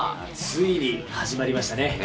ついに始まりましたね。